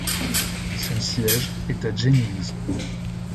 Son siège est à Jennings.